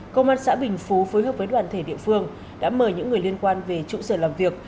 công an xã bình phú phối hợp với đoàn thể địa phương đã mời những người liên quan về trụ sở làm việc